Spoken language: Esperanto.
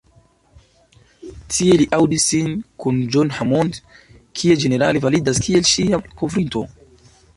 Tie li aŭdis ŝin kun John Hammond, kiu ĝenerale validas kiel ŝia „malkovrinto“.